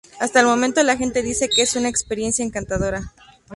Hasta el momento la gente dice que es una experiencia encantadora.